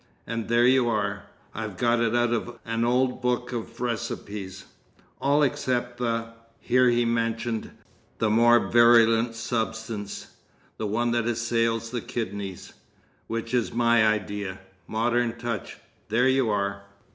"And there you are. I got it out of an old book of recipes—all except the" (here he mentioned the more virulent substance, the one that assails the kidneys), "which is my idea! Modern touch! There you are!"